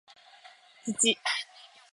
土